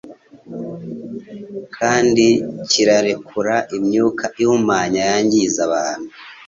kandi kikarekura imyuka ihumanya yangiza abantu.